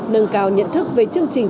nâng cao nhận thức về chương trình